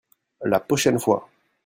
La pochaine fois.